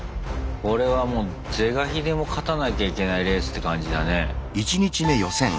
これはもう是が非でも勝たなきゃいけないレースって感じだね。